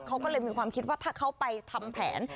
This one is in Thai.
เขาก็เลยมีความคิดว่าถ้าเขาไปทำแผน